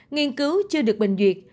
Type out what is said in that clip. nghiên cứu chưa được bình duyệt